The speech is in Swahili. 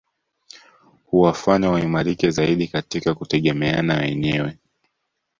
Huwafanya waimarike zaidi katika kutegemeana wenyewe